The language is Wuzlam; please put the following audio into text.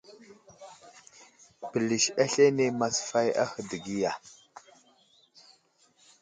Pəlis aslane masfay ahe dəgiya.